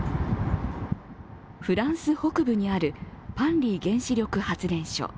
フランス北部にあるパンリー原子力発電所。